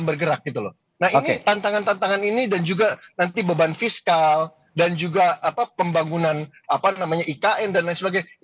nah ini tantangan tantangan ini dan juga nanti beban fiskal dan juga pembangunan ikn dan lain sebagainya